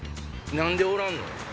何でおらんの？